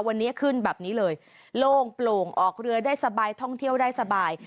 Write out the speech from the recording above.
วันนี้ขึ้นแบบนี้เลยโล่งโปร่งออกเรือได้สบายท่องเที่ยวได้สบาย